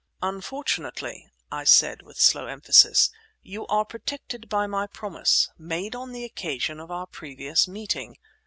"Unfortunately," I said, with slow emphasis, "you are protected by my promise, made on the occasion of our previous meeting.